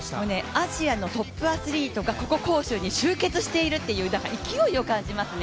アジアのトップアスリートがここ、杭州に集結しているっていう勢いを感じますね。